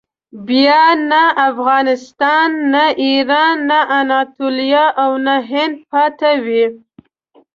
بیا نه افغانستان، نه ایران، نه اناتولیه او نه هند پاتې وي.